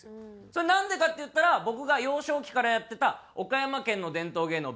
それなんでかっていったら僕が幼少期からやってた岡山県の伝統芸能